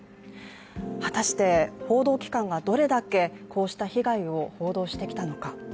果たして報道機関がどれだけこうした被害を報道してきたのか。